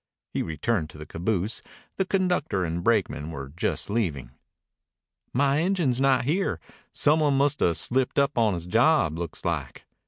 He returned to the caboose. The conductor and brakemen were just leaving. "My engine's not here. Some one must 'a' slipped up on his job, looks like.